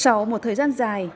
sau một thời gian dài